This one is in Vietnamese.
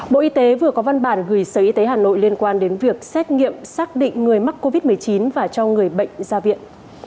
bộ y tế vừa có văn bản gửi sở y tế hà nội liên quan đến việc xét nghiệm xác định người mắc covid một mươi chín và cho người bệnh ra viện